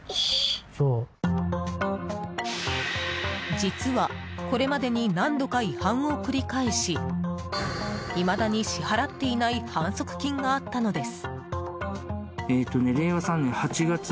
実は、これまでに何度か違反を繰り返しいまだに支払っていない反則金があったのです。